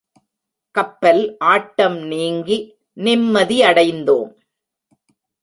கப்பல் ஆட்டம் நீங்கி, நிம்மதியடைந்தோம்.